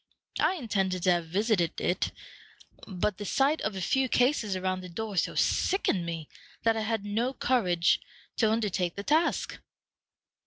I intended to have visited it, but the sight of a few cases around the door so sickened me that I had no courage to undertake the task."